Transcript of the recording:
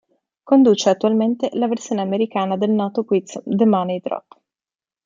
Conduce attualmente la versione americana del noto quiz "The Money Drop".